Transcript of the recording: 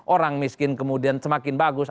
orang miskin kemudian semakin bagus